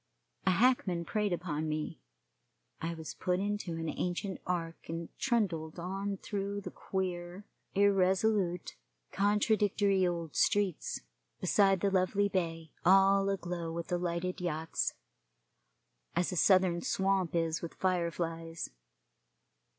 A hackman preyed upon me. I was put into an ancient ark and trundled on through the queer, irresolute, contradictory old streets, beside the lovely bay, all aglow with the lighted yachts, as a Southern swamp is with fire flies.